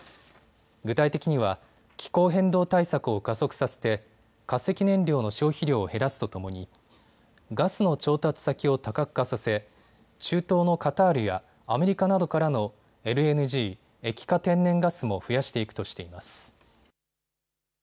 具体的には気候変動対策を加速させて化石燃料の消費量を減らすとともにガスの調達先を多角化させ中東のカタールやアメリカなどからのＬＮＧ・液化天然ガスも増やしていくとしています。